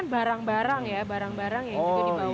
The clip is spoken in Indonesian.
ini juga ada barang ya barang barang yang dibawa